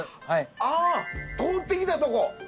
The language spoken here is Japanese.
あぁ通ってきたとこ！